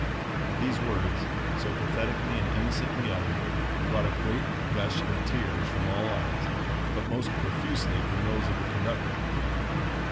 These words, so pathetically and innocently uttered, brought a great gush of tears from all eyes, but most profusely from those of the conductor.